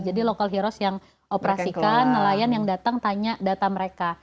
jadi local heroes yang operasikan nelayan yang datang tanya data mereka